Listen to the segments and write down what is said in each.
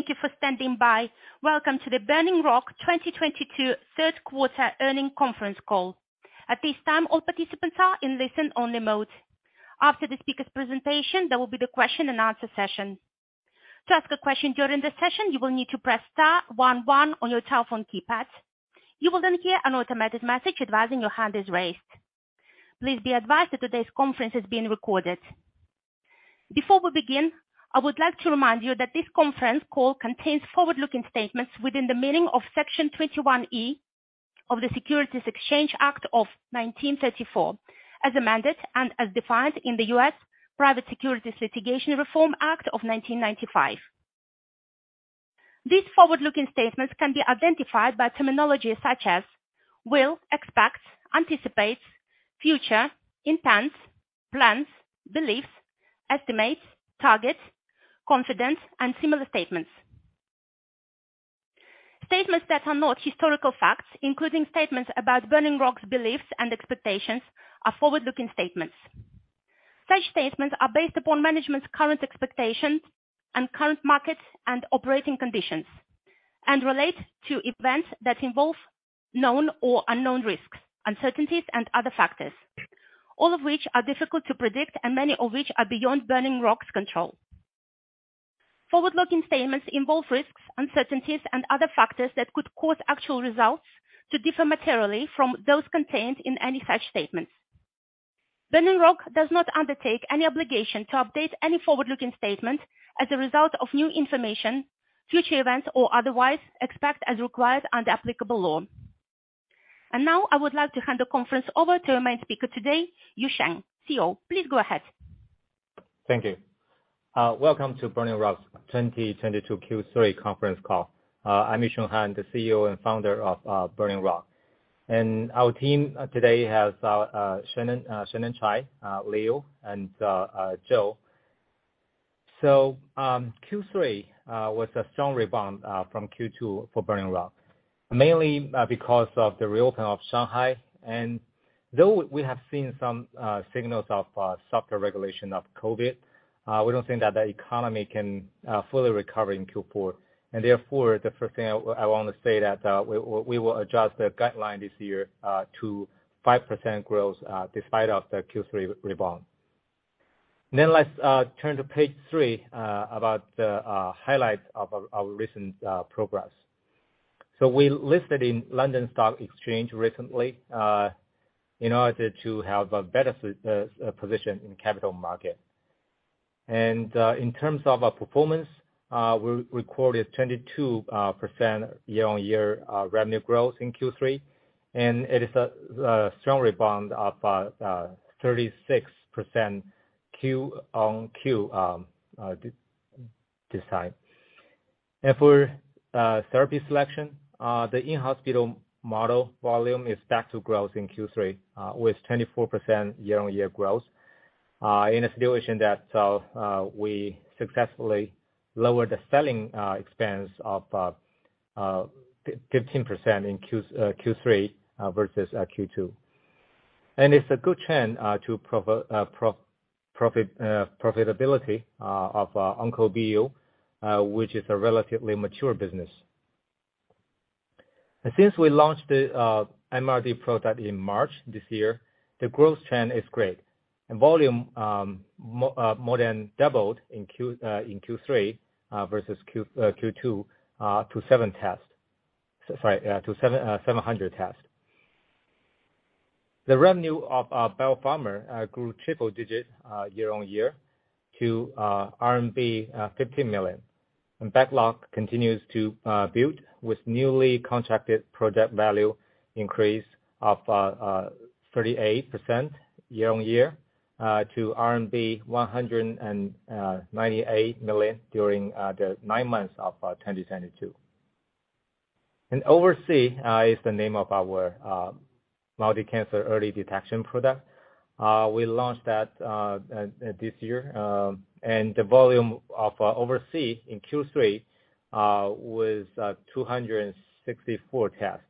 Thank you for standing by. Welcome to the Burning Rock 2022 third quarter earnings conference call. At this time, all participants are in listen-only mode. After the speaker's presentation, there will be the question and answer session. To ask a question during the session, you will need to press star one one on your telephone keypad. You will then hear an automated message advising your hand is raised. Please be advised that today's conference is being recorded. Before we begin, I would like to remind you that this conference call contains forward-looking statements within the meaning of Section 21E of the Securities Exchange Act of 1934, as amended and as defined in the U.S. Private Securities Litigation Reform Act of 1995. These forward-looking statements can be identified by terminology such as will, expect, anticipate, future, intends, plans, beliefs, estimates, targets, confidence, and similar statements. Statements that are not historical facts, including statements about Burning Rock's beliefs and expectations, are forward-looking statements. Such statements are based upon management's current expectations and current market and operating conditions, and relate to events that involve known or unknown risks, uncertainties and other factors, all of which are difficult to predict and many of which are beyond Burning Rock's control. Forward-looking statements involve risks, uncertainties and other factors that could cause actual results to differ materially from those contained in any such statements. Burning Rock does not undertake any obligation to update any forward-looking statement as a result of new information, future events or otherwise, except as required under applicable law. Now I would like to hand the conference over to our main speaker today, Yusheng, CEO. Please go ahead. Thank you. Welcome to Burning Rock's 2022 Q3 conference call. I'm Yusheng Han, the CEO and founder of Burning Rock. Our team today has Shannon Chuai, Leo, and Joe. Q3 was a strong rebound from Q2 for Burning Rock, mainly because of the reopening of Shanghai. Though we have seen some signals of softer regulation of COVID, we don't think that the economy can fully recover in Q4. Therefore, the first thing I wanna say that we will adjust the guidance this year to 5% growth, despite of the Q3 rebound. Let's turn to page three about the highlights of our recent progress. We listed in London Stock Exchange recently in order to have a better position in capital market. In terms of our performance, we recorded 22% year-over-year revenue growth in Q3, and it is a strong rebound of 36% Q-on-Q this time. For therapy selection, the in-hospital model volume is back to growth in Q3 with 24% year-over-year growth in a situation that we successfully lowered the selling expense of 15% in Q3 versus Q2. It's a good trend to profitability of OncoBU, which is a relatively mature business. Since we launched the MRD product in March this year, the growth trend is great. The volume more than doubled in Q3 versus Q2 to 700 tests. The revenue of biopharma grew triple-digit year-on-year to RMB 50 million. Backlog continues to build with newly contracted project value increase of 38% year-on-year to RMB 198 million during the nine months of 2022. OverC is the name of our multi-cancer early detection product. We launched that this year, and the volume of OverC in Q3 was 264 tests.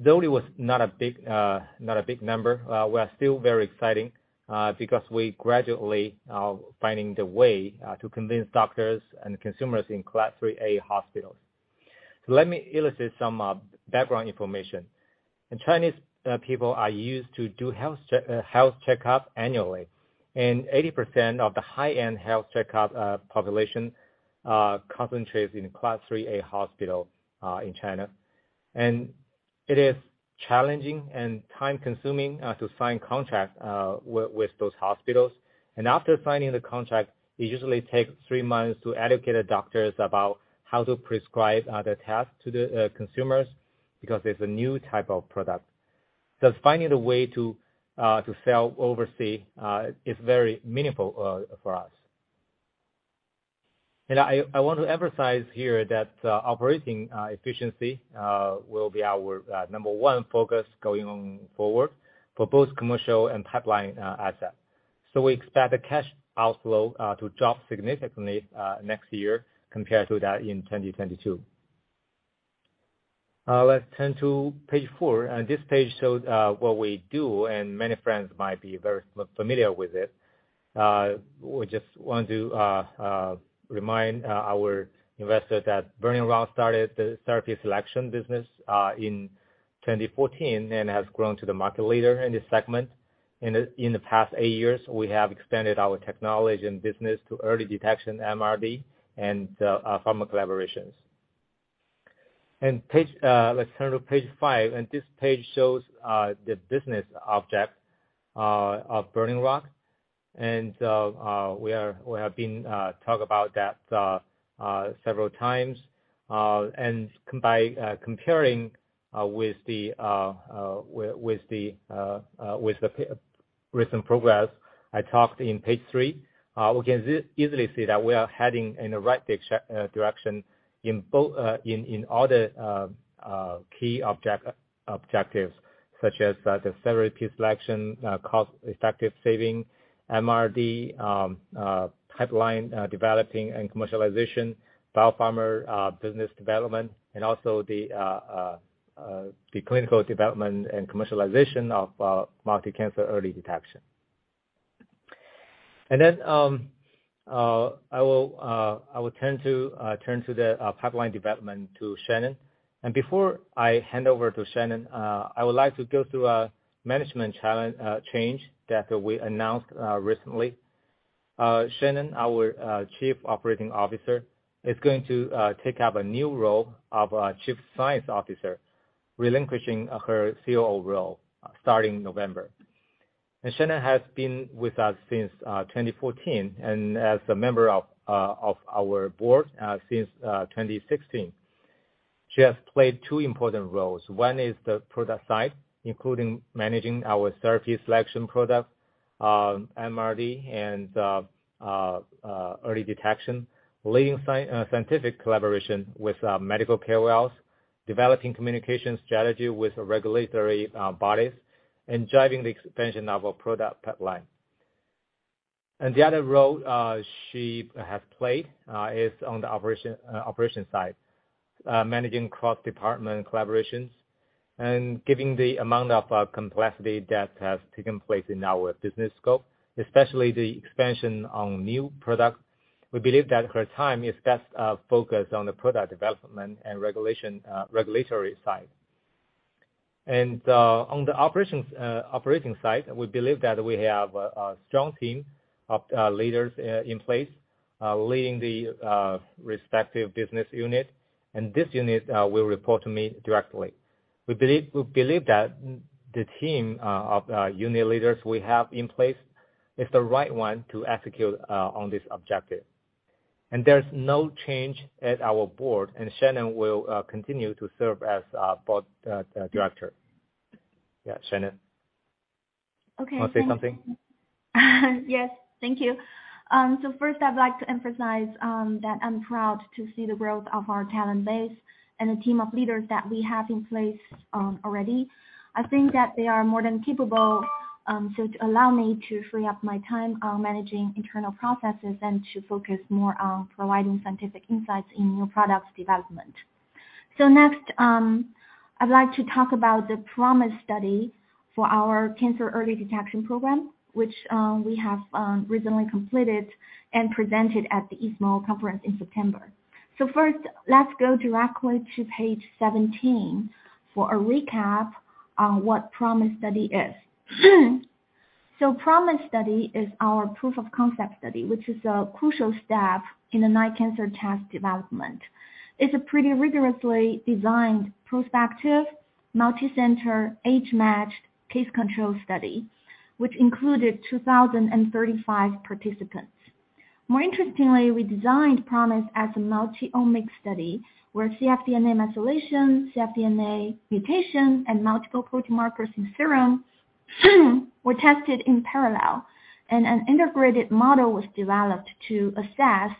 Though it was not a big number, we are still very exciting, because we gradually are finding the way to convince doctors and consumers in Class 3A hospitals. Let me illustrate some background information. Chinese people are used to do health checkup annually, and 80% of the high-end health checkup population concentrates in 3A hospitals in China. It is challenging and time-consuming to sign contract with those hospitals. After signing the contract, it usually takes three months to educate the doctors about how to prescribe the test to the consumers because it's a new type of product. Finding a way to sell OverC is very meaningful for us. I want to emphasize here that operating efficiency will be our number one focus going forward for both commercial and pipeline assets. We expect the cash outflow to drop significantly next year compared to that in 2022. Let's turn to page four. This page shows what we do, and many friends might be very familiar with it. We just want to remind our investors that Burning Rock started the therapy selection business in 2014 and has grown to the market leader in this segment. In the past eight years, we have expanded our technology and business to early detection MRD and pharma collaborations. Let's turn to page five, and this page shows the business overview of Burning Rock. We have been talking about that several times. By comparing with the recent progress I talked about on page three, we can easily see that we are heading in the right direction in all the key objectives such as the therapy selection, cost-effective saving, MRD, pipeline developing and commercialization, biopharma business development, and also the clinical development and commercialization of multi-cancer early detection. I will turn to the pipeline development to Shannon. Before I hand over to Shannon, I would like to go through a management change that we announced recently. Shannon, our Chief Operating Officer, is going to take up a new role of Chief Science Officer, relinquishing her COO role starting November. Shannon has been with us since 2014, and as a member of our board since 2016. She has played two important roles. One is the product side, including managing our therapy selection product, MRD and early detection, leading scientific collaboration with medical KOLs, developing communication strategy with regulatory bodies, and driving the expansion of our product pipeline. The other role she has played is on the operation side, managing cross-department collaborations and given the amount of complexity that has taken place in our business scope, especially the expansion on new product. We believe that her time is best focused on the product development and regulatory side. On the operating side, we believe that we have a strong team of leaders in place leading the respective business unit, and this unit will report to me directly. We believe that the team of unit leaders we have in place is the right one to execute on this objective. There's no change at our board, and Shannon will continue to serve as a board director. Yeah, Shannon. Okay. Wanna say something? Yes. Thank you. First I'd like to emphasize that I'm proud to see the growth of our talent base and the team of leaders that we have in place already. I think that they are more than capable so to allow me to free up my time on managing internal processes and to focus more on providing scientific insights in new products development. Next, I'd like to talk about the PROMISE study for our cancer early detection program, which we have recently completed and presented at the ESMO conference in September. First, let's go directly to page 17 for a recap on what PROMISE study is. PROMISE study is our proof of concept study, which is a crucial step in the nine-cancer test development. It's a pretty rigorously designed, prospective, multicenter, age-matched case control study, which included 2,035 participants. More interestingly, we designed PROMISE as a multi-omics study, where cfDNA methylation, cfDNA mutation and multiple protein markers in serum, were tested in parallel. An integrated model was developed to assess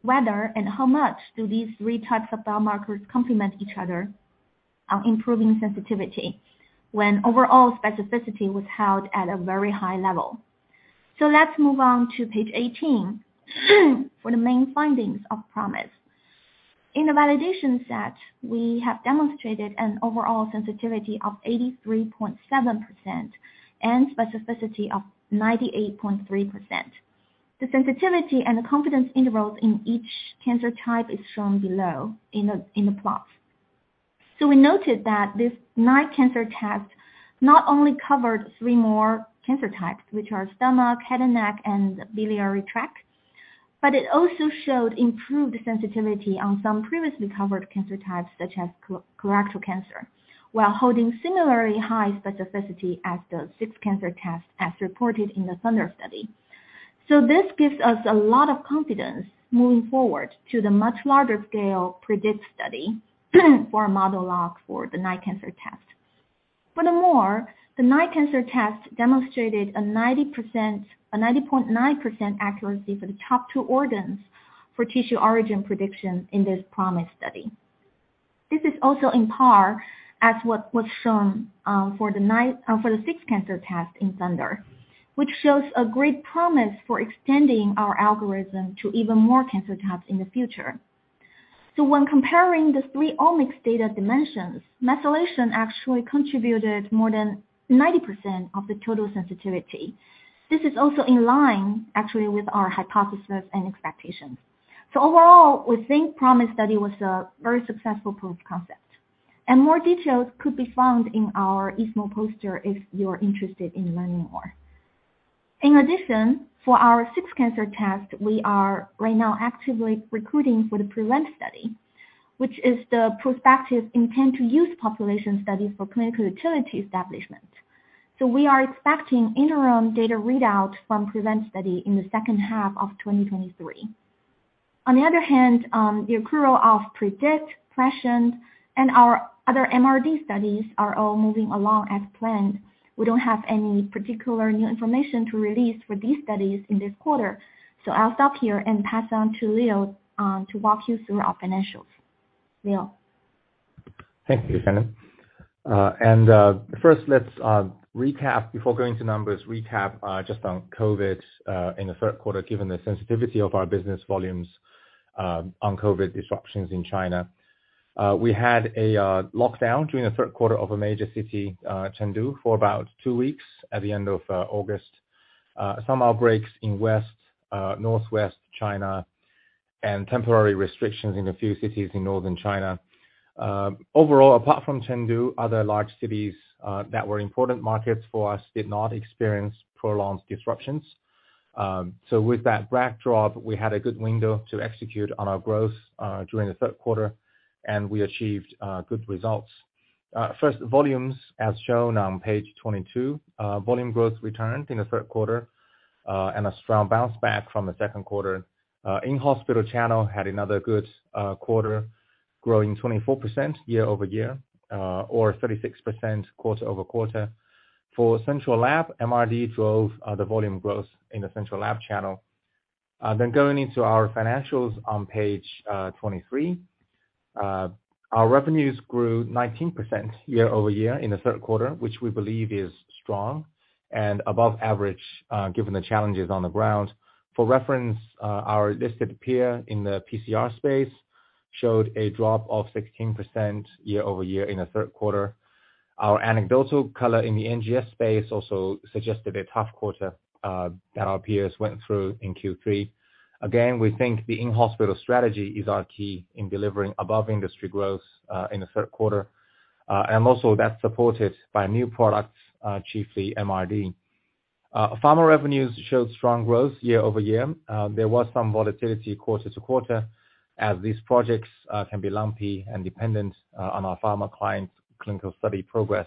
whether and how much do these three types of biomarkers complement each other on improving sensitivity when overall specificity was held at a very high level. Let's move on to page 18, for the main findings of PROMISE. In the validation set, we have demonstrated an overall sensitivity of 83.7% and specificity of 98.3%. The sensitivity and the confidence intervals in each cancer type is shown below in the plots. We noted that this nine-cancer test not only covered three more cancer types, which are stomach, head and neck, and biliary tract, but it also showed improved sensitivity on some previously covered cancer types such as colorectal cancer, while holding similarly high specificity as the six-cancer test as reported in the THUNDER study. This gives us a lot of confidence moving forward to the much larger scale PREDICT study for modeling the nine-cancer test. Furthermore, the nine-cancer test demonstrated a 90.9% accuracy for the top two organs for tissue origin prediction in this PROMISE study. This is also on par with what was shown for the six cancer test in THUNDER, which shows a great promise for extending our algorithm to even more cancer types in the future. When comparing the three omics data dimensions, methylation actually contributed more than 90% of the total sensitivity. This is also in line, actually, with our hypothesis and expectations. Overall, we think PROMISE study was a very successful proof of concept. More details could be found in our ESMO poster if you're interested in learning more. In addition, for our six cancer test, we are right now actively recruiting for the PREVENT study, which is the prospective intent to use population study for clinical utility establishment. We are expecting interim data readout from PREVENT study in the second half of 2023. On the other hand, the accrual of PREDICT, PRESCIENT and our other MRD studies are all moving along as planned. We don't have any particular new information to release for these studies in this quarter. I'll stop here and pass on to Leo, to walk you through our financials. Leo. Thank you, Shannon. First, let's recap before going to numbers just on COVID in the third quarter, given the sensitivity of our business volumes on COVID disruptions in China. We had a lockdown during the third quarter of a major city, Chengdu, for about two weeks at the end of August. Some outbreaks in west, northwest China, and temporary restrictions in a few cities in northern China. Overall, apart from Chengdu, other large cities that were important markets for us did not experience prolonged disruptions. With that backdrop, we had a good window to execute on our growth during the third quarter, and we achieved good results. First, volumes as shown on page 22. Volume growth returned in the third quarter, and a strong bounce back from the second quarter. In-hospital channel had another good quarter, growing 24% year-over-year, or 36% quarter-over-quarter. For central lab, MRD drove the volume growth in the central lab channel. Going into our financials on page 23. Our revenues grew 19% year-over-year in the third quarter, which we believe is strong and above average, given the challenges on the ground. For reference, our listed peer in the PCR space showed a drop of 16% year-over-year in the third quarter. Our anecdotal color in the NGS space also suggested a tough quarter that our peers went through in Q3. Again, we think the in-hospital strategy is our key in delivering above industry growth in the third quarter. That's supported by new products, chiefly MRD. Pharma revenues showed strong growth year-over-year. There was some volatility quarter-to-quarter as these projects can be lumpy and dependent on our pharma clients' clinical study progress.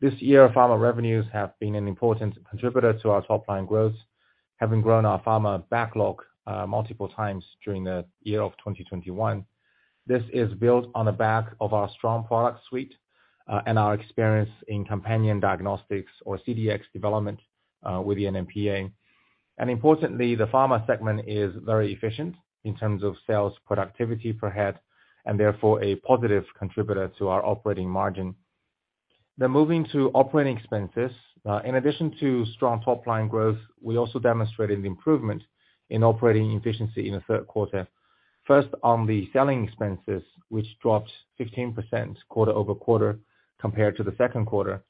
This year, pharma revenues have been an important contributor to our top line growth, having grown our pharma backlog multiple times during the year of 2021. This is built on the back of our strong product suite and our experience in companion diagnostics or CDx development with the NMPA. Importantly, the pharma segment is very efficient in terms of sales productivity per head, and therefore a positive contributor to our operating margin. Moving to operating expenses In addition to strong top line growth, we also demonstrated improvement in operating efficiency in the third quarter. First, on the selling expenses, which dropped 15% quarter-over-quarter compared to the second quarter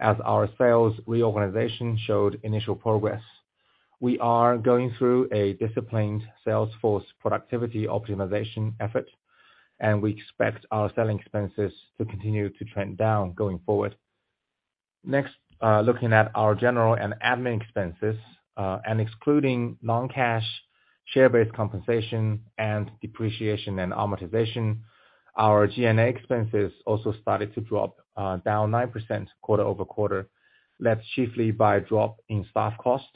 as our sales reorganization showed initial progress. We are going through a disciplined sales force productivity optimization effort, and we expect our selling expenses to continue to trend down going forward. Next, looking at our general and admin expenses, and excluding non-cash share-based compensation and depreciation and amortization, our G&A expenses also started to drop down 9% quarter-over-quarter, led chiefly by a drop in staff costs.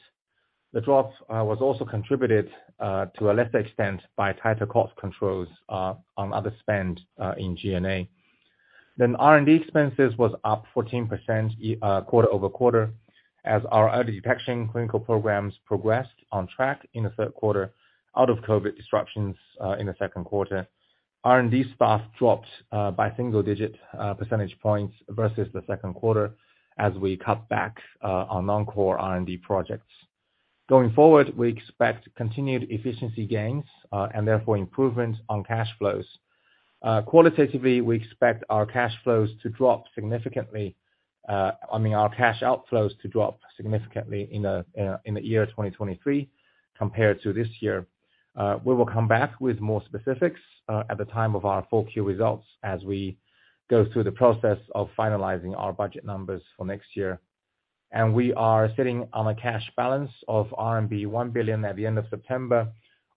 The drop was also contributed to a lesser extent by tighter cost controls on other spend in G&A. R&D expenses was up 14% quarter-over-quarter as our early detection clinical programs progressed on track in the third quarter out of COVID disruptions in the second quarter. R&D staff dropped by single-digit percentage points versus the second quarter as we cut back on non-core R&D projects. Going forward, we expect continued efficiency gains and therefore improvement on cash flows. Qualitatively, we expect our cash flows to drop significantly, I mean our cash outflows to drop significantly in 2023 compared to this year. We will come back with more specifics at the time of our full Q results as we go through the process of finalizing our budget numbers for next year. We are sitting on a cash balance of RMB 1 billion at the end of September,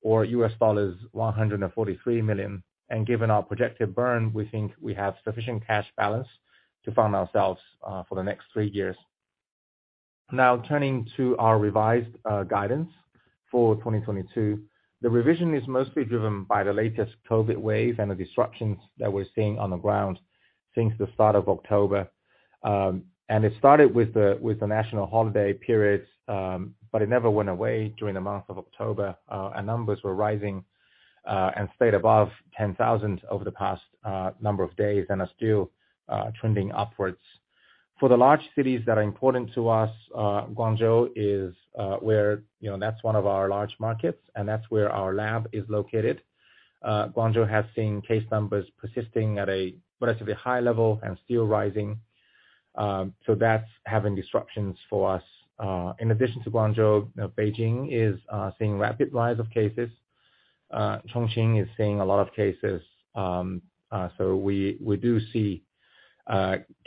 or $143 million. Given our projected burn, we think we have sufficient cash balance to fund ourselves for the next three years. Now, turning to our revised guidance for 2022. The revision is mostly driven by the latest COVID wave and the disruptions that we're seeing on the ground since the start of October. It started with the national holiday periods, but it never went away during the month of October. Our numbers were rising and stayed above 10,000 over the past number of days and are still trending upwards. For the large cities that are important to us, Guangzhou is where, you know, that's one of our large markets and that's where our lab is located. Guangzhou has seen case numbers persisting at a relatively high level and still rising. That's having disruptions for us. In addition to Guangzhou, you know, Beijing is seeing rapid rise of cases. Chongqing is seeing a lot of cases. We do see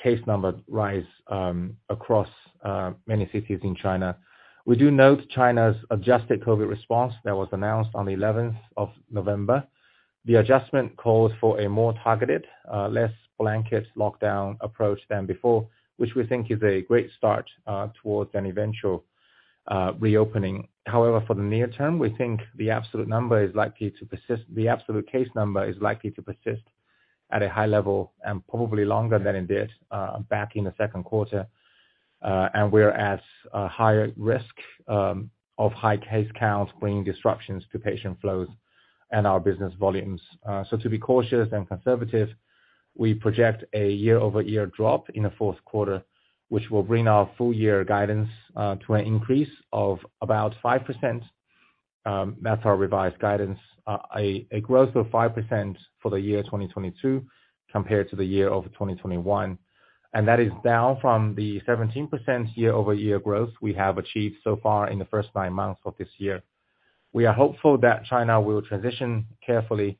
case numbers rise across many cities in China. We do note China's adjusted COVID response that was announced on the eleventh of November. The adjustment calls for a more targeted, less blanket lockdown approach than before, which we think is a great start towards an eventual reopening. However, for the near term, we think the absolute case number is likely to persist at a high level and probably longer than it did back in the second quarter. We're at a higher risk of high case counts bringing disruptions to patient flows and our business volumes. To be cautious and conservative, we project a year-over-year drop in the fourth quarter, which will bring our full year guidance to an increase of about 5%. That's our revised guidance. A growth of 5% for the year 2022 compared to the year 2021, and that is down from the 17% year-over-year growth we have achieved so far in the first nine months of this year. We are hopeful that China will transition carefully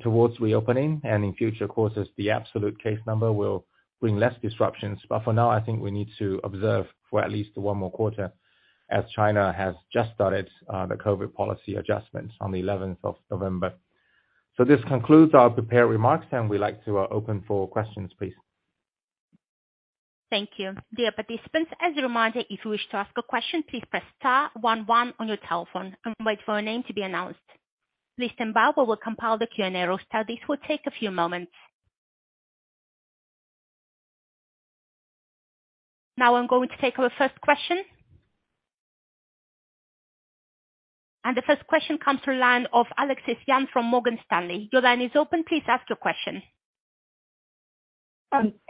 towards reopening, and in future courses, the absolute case number will bring less disruptions. For now, I think we need to observe for at least one more quarter as China has just started the COVID policy adjustments on the eleventh of November. This concludes our prepared remarks, and we'd like to open for questions, please. Thank you. Dear participants, as a reminder, if you wish to ask a question, please press star one one on your telephone and wait for your name to be announced. Please stand by while we compile the Q&A roster. This will take a few moments. Now I'm going to take our first question. The first question comes from the line of Alexis Yan from Morgan Stanley. Your line is open. Please ask your question.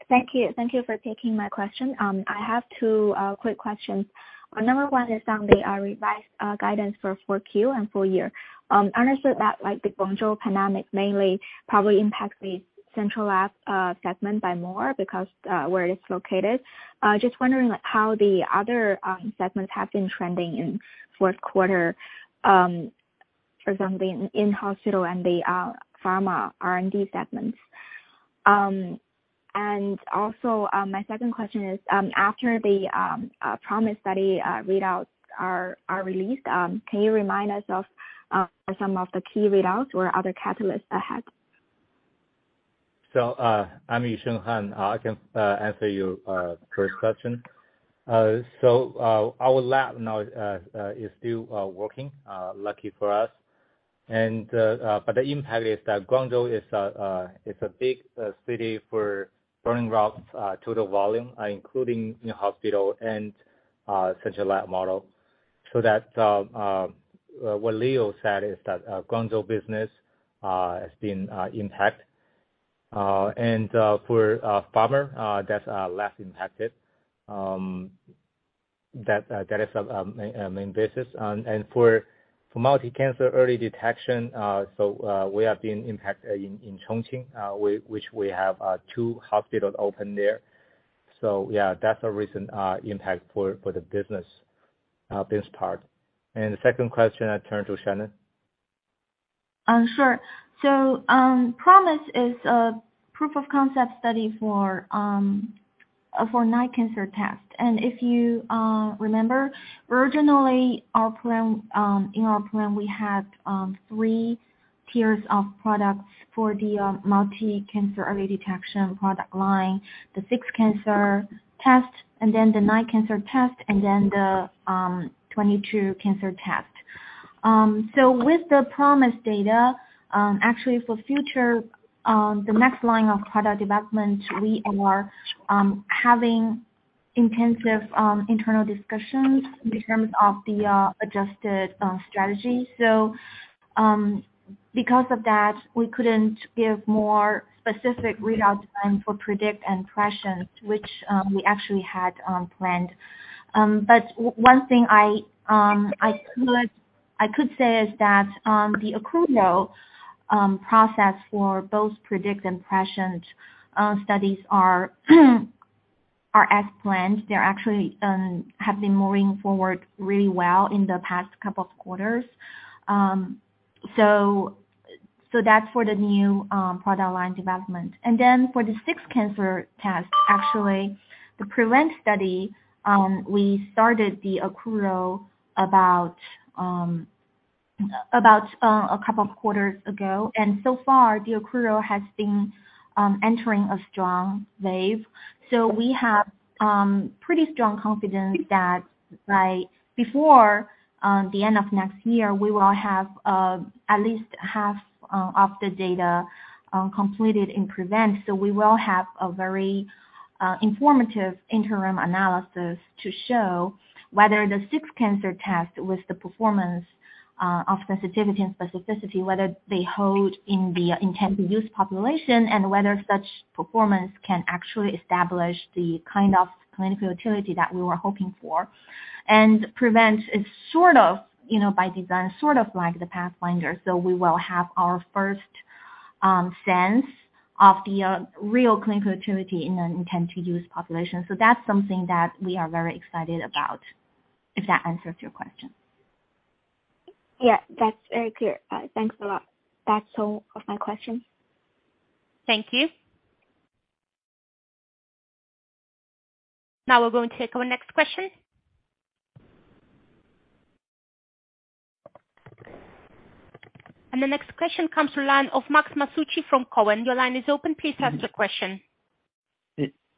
Thank you. Thank you for taking my question. I have two quick questions. Number one is on the revised guidance for Q4 and full year. I understand that, like, the Guangzhou pandemic mainly probably impacts the central lab segment by more because where it is located. Just wondering, like, how the other segments have been trending in fourth quarter for the in-hospital and the pharma R&D segments. And also, my second question is, after the PROMISE study readouts are released, can you remind us of some of the key readouts or other catalysts ahead? I'm Yusheng Han. I can answer your first question. Our lab now is still working, lucky for us. The impact is that Guangzhou is a big city for Burning Rock total volume, including new hospital and central lab model. What Leo said is that Guangzhou business has been impacted. For pharma, that's less impacted. That is a main basis. For multi-cancer early detection, we have been impacted in Chongqing, which we have two hospitals open there. That's a recent impact for the business part. The second question, I turn to Shannon. Sure. PROMISE is a proof of concept study for 9-cancer test. If you remember, originally our plan, in our plan, we had three tiers of products for the multi-cancer early detection product line, the 6-cancer test, and then the 9-cancer test, and then the 22-cancer test. With the PROMISE data, actually for future, the next line of product development, we are having intensive internal discussions in terms of the adjusted strategy. Because of that, we couldn't give more specific readout time for PREDICT and PRESCIENT, which we actually had planned. One thing I could say is that the accrual process for both PREDICT and PRESCIENT studies are as planned. They have actually been moving forward really well in the past couple of quarters. That's for the new product line development. Then for the 6-cancer test, actually the PREVENT study, we started the accrual about a couple of quarters ago. So far the accrual has been entering a strong wave. We have pretty strong confidence that before the end of next year, we will have at least half of the data completed in PREVENT. We will have a very informative interim analysis to show whether the 6-cancer test with the performance of sensitivity and specificity, whether they hold in the intended use population, and whether such performance can actually establish the kind of clinical utility that we were hoping for. PREVENT is sort of, you know, by design, sort of like the pathfinder, so we will have our first sense of the real clinical utility in an intended use population. That's something that we are very excited about, if that answers your question. Yeah, that's very clear. Thanks a lot. That's all of my questions. Thank you. Now we're going to take our next question. The next question comes from line of Max Masucci from Cowen. Your line is open. Please ask your question.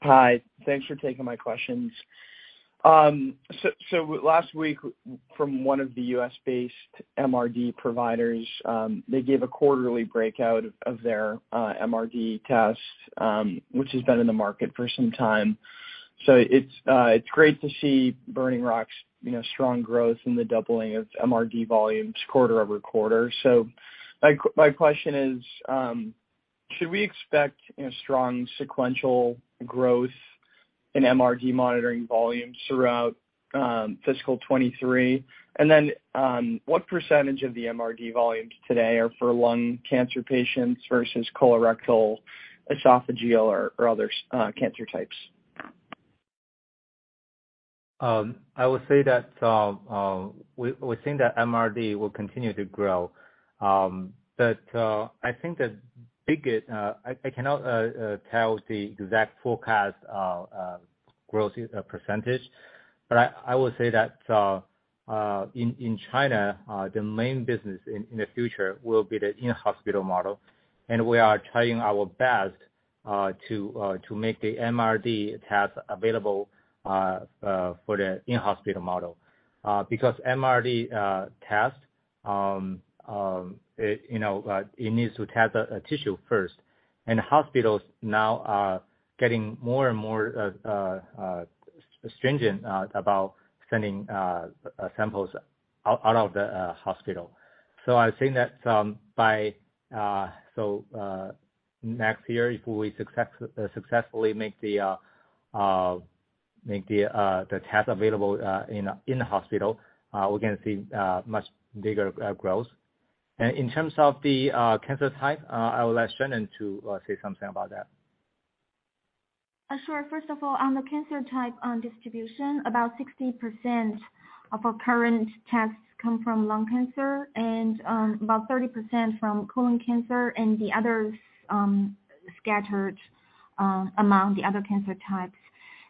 Hi. Thanks for taking my questions. Last week from one of the U.S.-based MRD providers, they gave a quarterly breakout of their MRD test, which has been in the market for some time. It's great to see Burning Rock's, you know, strong growth in the doubling of MRD volumes quarter-over-quarter. My question is, should we expect, you know, strong sequential growth in MRD monitoring volumes throughout fiscal 2023? What percentage of the MRD volumes today are for lung cancer patients versus colorectal, esophageal or other cancer types? I would say that we think that MRD will continue to grow. I think the biggest I cannot tell the exact forecast growth percentage. I would say that in China the main business in the future will be the in-hospital model, and we are trying our best to make the MRD test available for the in-hospital model. Because MRD test, it you know it needs to test a tissue first, and hospitals now are getting more and more stringent about sending samples out of the hospital. I think that by next year, if we successfully make the test available in the hospital, we're gonna see much bigger growth. In terms of the cancer type, I will ask Shannon to say something about that. Sure. First of all, on the cancer type on distribution, about 60% of our current tests come from lung cancer and, about 30% from colon cancer and the others, scattered, among the other cancer types.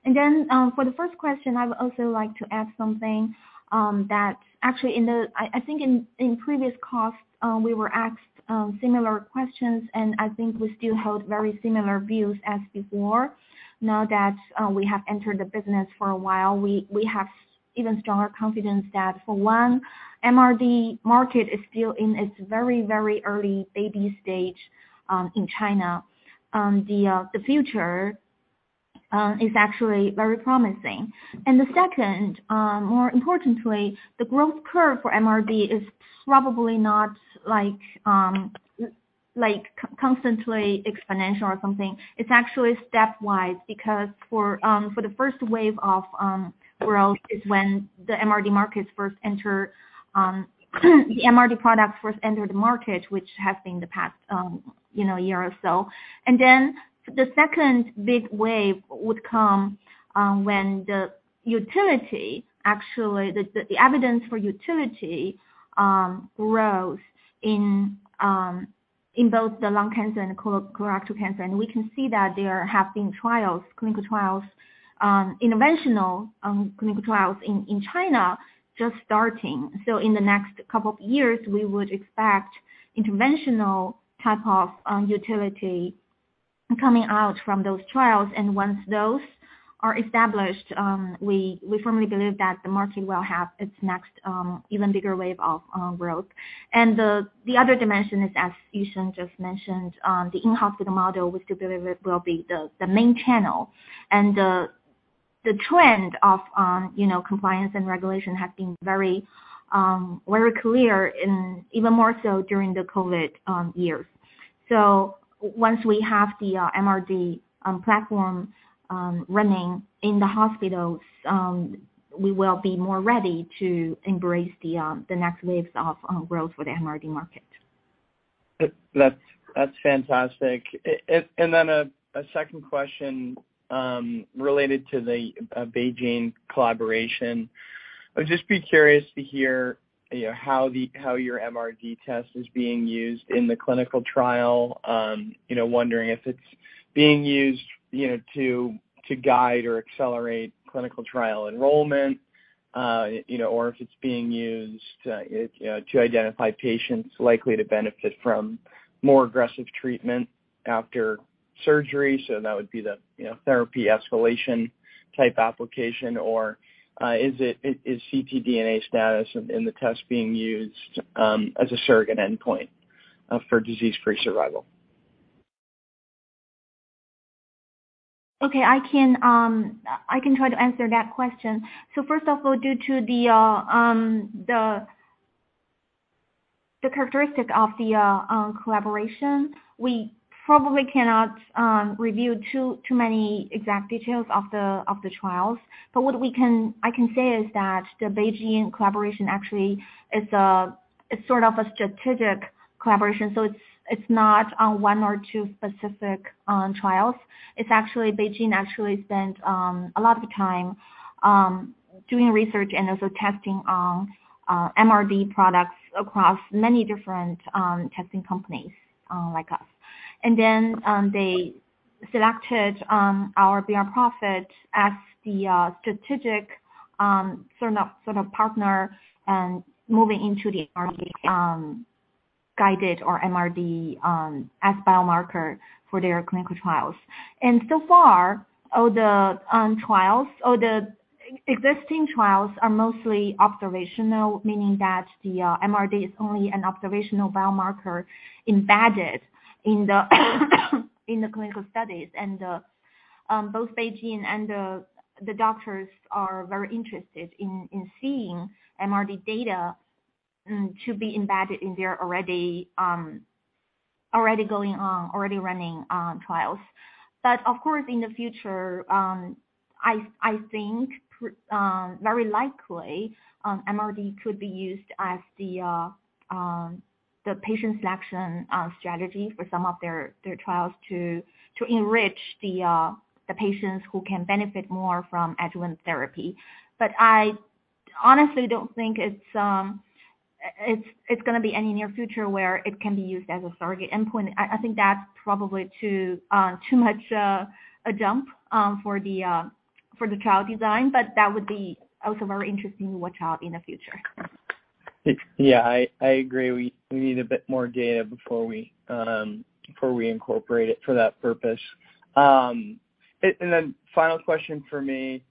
Then, for the first question, I would also like to add something, that actually in the I think in previous calls, we were asked similar questions, and I think we still hold very similar views as before. Now that we have entered the business for a while, we have even stronger confidence that for one, MRD market is still in its very, very early baby stage, in China, the future is actually very promising. The second, more importantly, the growth curve for MRD is probably not like constantly exponential or something. It's actually stepwise because for the first wave of growth is when the MRD market first entered the market, which has been the past, you know, year or so. The second big wave would come when the utility actually the evidence for utility grows in both the lung cancer and colorectal cancer. We can see that there have been trials, clinical trials, interventional clinical trials in China just starting. In the next couple of years, we would expect interventional type of utility coming out from those trials. Once those are established, we firmly believe that the market will have its next even bigger wave of growth. The other dimension is, as Yusheng Han just mentioned, the in-hospital model, which will be the main channel. The trend of, you know, compliance and regulation has been very, very clear and even more so during the COVID years. Once we have the MRD platform running in the hospitals, we will be more ready to embrace the next waves of growth for the MRD market. That's fantastic. A second question related to the BeiGene collaboration. I would just be curious to hear, you know, how your MRD test is being used in the clinical trial. You know, wondering if it's being used, you know, to guide or accelerate clinical trial enrollment. You know, or if it's being used, you know, to identify patients likely to benefit from more aggressive treatment after surgery. That would be the, you know, therapy escalation type application, or is ctDNA status in the test being used as a surrogate endpoint for disease-free survival? Okay, I can try to answer that question. First of all, due to the characteristic of the collaboration, we probably cannot review too many exact details of the trials. What I can say is that the BeiGene collaboration actually is, it's sort of a strategic collaboration, so it's not on one or two specific trials. It's actually BeiGene actually spent a lot of time doing research and also testing MRD products across many different testing companies like us. They selected our brPROPHET as the strategic sort of partner moving into the MRD guided or MRD as biomarker for their clinical trials. So far, all the trials or the existing trials are mostly observational, meaning that the MRD is only an observational biomarker embedded in the clinical studies. Both BeiGene and the doctors are very interested in seeing MRD data to be embedded in their already going on, already running trials. Of course, in the future, I think very likely MRD could be used as the patient selection strategy for some of their trials to enrich the patients who can benefit more from adjuvant therapy. I honestly don't think it's gonna be any near future where it can be used as a surrogate endpoint. I think that's probably too much a jump for the trial design, but that would be also very interesting to watch out in the future. Yeah, I agree. We need a bit more data before we incorporate it for that purpose. Then final question for me.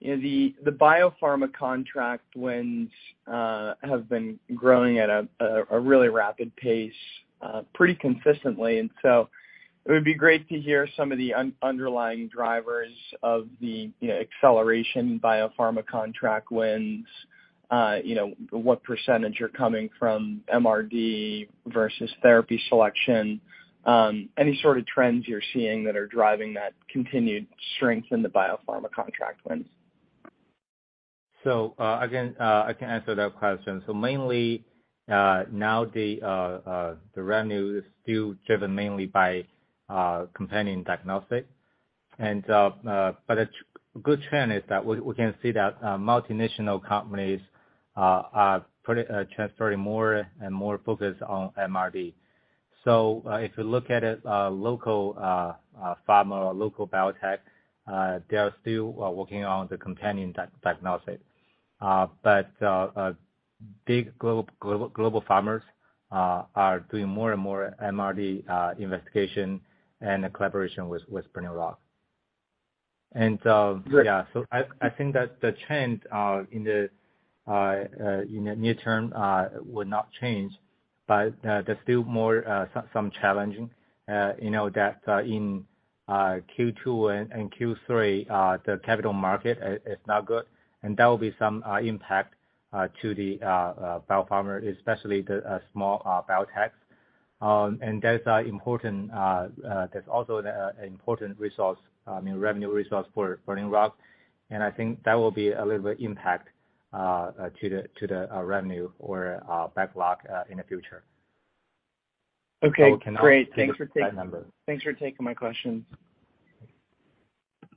You know, the biopharma contract wins have been growing at a really rapid pace pretty consistently. It would be great to hear some of the underlying drivers of the acceleration biopharma contract wins. You know, what percentage are coming from MRD versus therapy selection. Any sort of trends you're seeing that are driving that continued strength in the biopharma contract wins. Again, I can answer that question. Mainly, now the revenue is still driven mainly by companion diagnostic. But a good trend is that we can see that multinational companies are pretty transferring more and more focus on MRD. If you look at it, local pharma or local biotech, they are still working on the companion diagnostic. But big global pharmas are doing more and more MRD investigation and a collaboration with Burning Rock. Yeah. I think that the trend in the near term would not change, but there's still more some challenging, you know, that in Q2 and Q3 the capital market is not good, and that will be some impact to the biopharma, especially the small biotechs. There's also the important resource in revenue resource for Burning Rock, and I think that will be a little bit impact to the revenue or backlog in the future. Okay, great. I cannot give you that number. Thanks for taking my questions.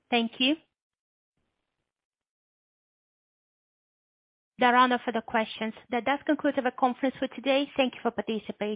Thank you. There are no further questions. That concludes our conference for today. Thank you for participating.